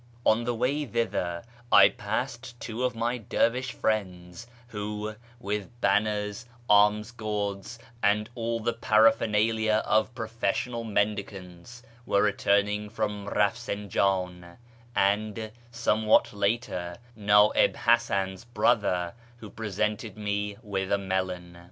On the way thither I passed two of my dervish friends, who, with banners, alms gourds, and all the paraphernalia of professional mendicants, were returning from Eafsinjan ; and, somewhat later, Na'ib Hasan's brother, who presented me with a melon.